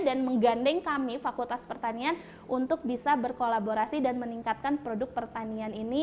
dan menggandeng kami fakultas pertanian untuk bisa berkolaborasi dan meningkatkan produk pertanian ini